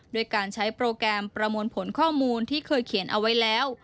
ด้วยการใช้โปรแกรมประมวลผลข้อมูลที่เคยเขียนเอาไว้แล้ว